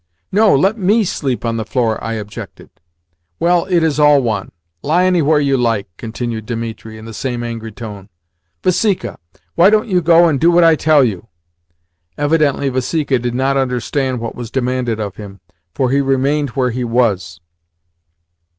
"No, let ME sleep on the floor," I objected. "Well, it is all one. Lie anywhere you like," continued Dimitri in the same angry tone. "Vasika, why don't you go and do what I tell you?" Evidently Vasika did not understand what was demanded of him, for he remained where he was.